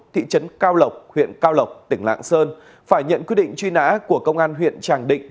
thị trấn cao lộc huyện cao lộc tỉnh lạng sơn phải nhận quyết định truy nã của công an huyện tràng định